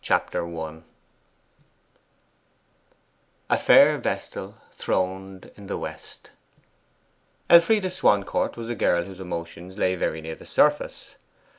Chapter I 'A fair vestal, throned in the west' Elfride Swancourt was a girl whose emotions lay very near the surface.